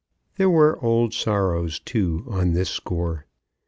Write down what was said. There were old sorrows, too, on this score.